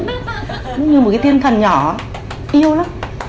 nhìn cái con ngủ như một cái tiên thần nhỏ yêu lắm